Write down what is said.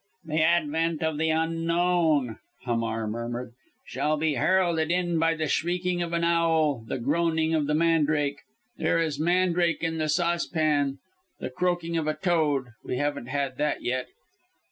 "The advent of the Unknown," Hamar murmured, "shall be heralded in by the shrieking of an owl, the groaning of the mandrake there is mandrake in the saucepan the croaking of a toad we haven't had that yet!"